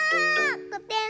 こてん。